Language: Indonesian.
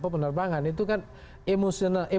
penerbangan itu kan emosional